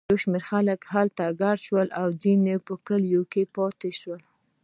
یو شمېر خلک هلته کډه شوي او ځینې په کلیو کې پاتې وو.